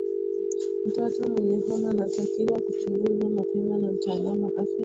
mtoto mwenye homa anatakiwa kuchunguzwa mapema na mtaalamu wa afya